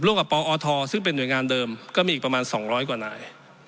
ร่วมกับปอทซึ่งเป็นหน่วยงานเดิมก็มีอีกประมาณ๒๐๐กว่านาย